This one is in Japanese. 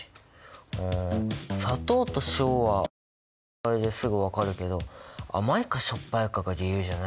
あ砂糖と塩は味の違いですぐ分かるけど甘いかしょっぱいかが理由じゃないもんなあ。